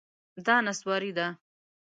دا نسواري ده